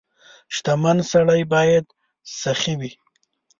• شتمن سړی باید سخي وي.